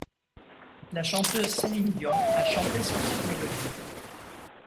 La chanteuse Céline Dion a chanté sur cette mélodie.